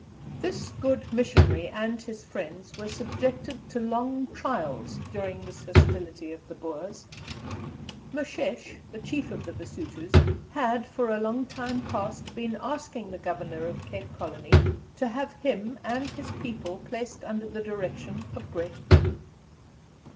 "This good missionary and his friends were subjected to long trials during this hostility of the Boers. Moshesh, the chief of the Basutos, had for a long time past been asking the Governor of Cape Colony to have him and his people placed under the direction of Great Britain.